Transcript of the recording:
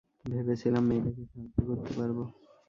ভেবেছিলাম, মেয়েটাকে সাহায্য করতে পারব।